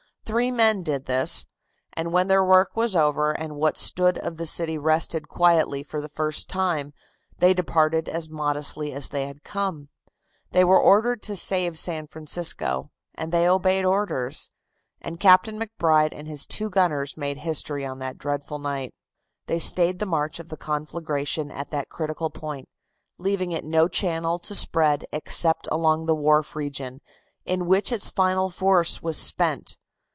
Three men did this, and when their work was over and what stood of the city rested quietly for the first time, they departed as modestly as they had come. They were ordered to save San Francisco, and they obeyed orders, and Captain MacBride and his two gunners made history on that dreadful night. They stayed the march of the conflagration at that critical point, leaving it no channel to spread except along the wharf region, in which its final force was spent.